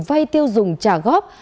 vay tiêu dùng trả góp